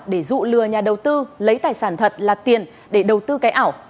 để dụ lừa nhà đầu tư lấy tài sản thật là tiền để đầu tư cái ảo